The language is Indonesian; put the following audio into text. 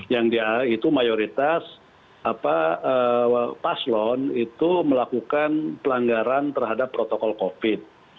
yang dia itu mayoritas paslon itu melakukan pelanggaran terhadap protokol covid